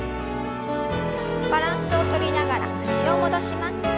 バランスをとりながら脚を戻します。